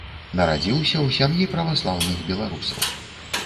Нарадзіўся ў сям'і праваслаўных беларусаў.